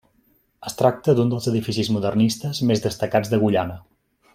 Es tracta d'un dels edificis modernistes més destacats d'Agullana.